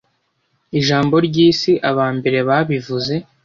Ijambo ryisi, abambere babivuze